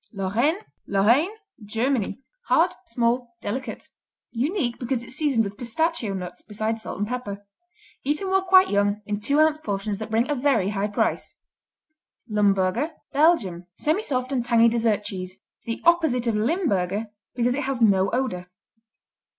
Lorraine Lorraine, Germany Hard; small; delicate; unique because it's seasoned with pistachio nuts besides salt and pepper. Eaten while quite young, in two ounce portions that bring a very high price. Lumburger Belgium Semisoft and tangy dessert cheese. The opposite of Limburger because it has no odor.